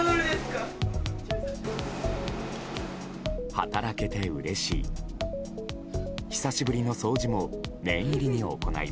働けてうれしい。